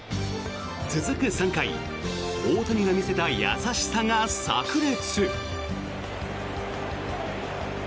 続く３回大谷が見せた優しさがさく裂。